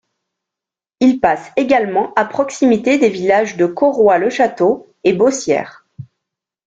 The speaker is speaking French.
Il passe également à proximité des villages de Corroy-le-Château et Bossière.